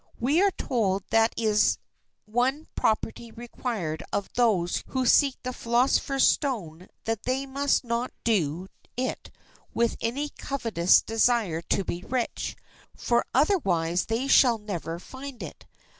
We are told that it is one property required of those who seek the philosopher's stone that they must not do it with any covetous desire to be rich, for otherwise they shall never find it.